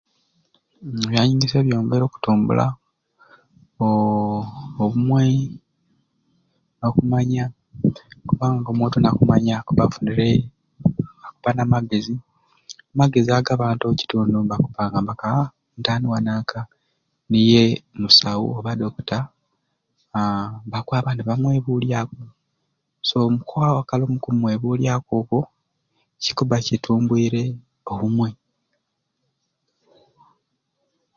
Ebyanyegesya byongeire okutumbula oo obumwei, okumanya kubbanga omuntu nakumanya akubba afunire akubbanga n'amagezi, amagezi ago abantu omukitundu nibakubbanga nti aaa mutaanu wa nanka niye musawu oba dokita aa bakwaba nibamwebulyaku so omukwakala omu kumwebulya okwo kikubba kitumbwire obumwei